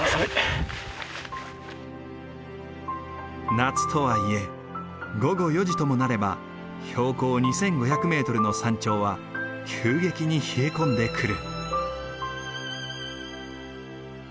夏とはいえ午後４時ともなれば標高２，５００メートルの山頂は急激に冷え込んでくる。